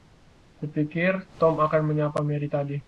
Ku pikir Tom akan menyapa Mary tadi.